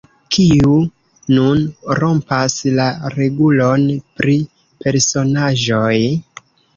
"Kiu nun rompas la regulon pri personaĵoj?"